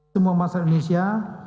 semua masyarakat indonesia